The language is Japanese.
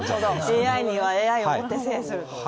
ＡＩにはＡＩをもって制すと。